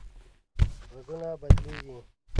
غږونه بدلېږي